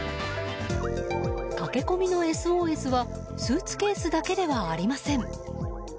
駆け込みのＳＯＳはスーツケースだけではありません。